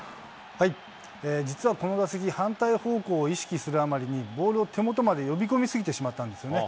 実はこの打席、反対方向を意識するあまりに、ボールを手元まで呼び込みすぎてしまったんですよね。